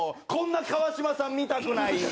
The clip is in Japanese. こんな川島さん見たくない。